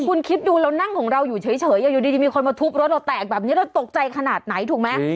คุณคิดดูเรานั่งของเราอยู่เฉยอยู่ดีจะมีคนมาทุบรถเราแตกแบบนี้เราตกใจขนาดไหนถูกไหม